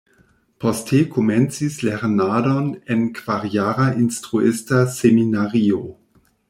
Poste komencis lernadon en kvarjara Instruista Seminario.